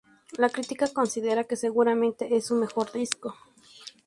La crítica considera que seguramente es su mejor disco.